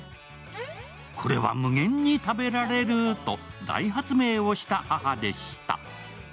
これは無限に食べられる！と大発明をした母でした。